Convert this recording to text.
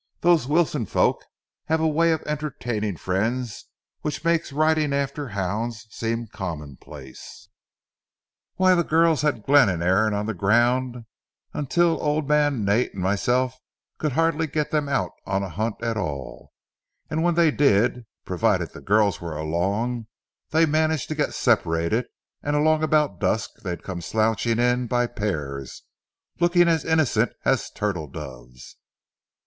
Those Wilson folks have a way of entertaining friends which makes riding after hounds seem commonplace. Why, the girls had Glenn and Aaron on the go until old man Nate and myself could hardly get them out on a hunt at all. And when they did, provided the girls were along, they managed to get separated, and along about dusk they'd come slouching in by pairs, looking as innocent as turtle doves.